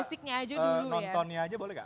nontonnya aja boleh gak